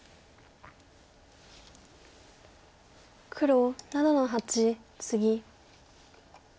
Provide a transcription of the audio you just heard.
黒７の八ツギ。